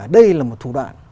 đây là một thủ đoạn